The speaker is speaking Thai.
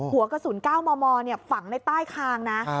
หัวกระสุน๙มมฝังในใต้คางนะ